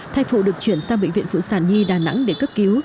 thai phụ được chuyển sang bệnh viện phụ sản nhi đà nẵng để cấp cứu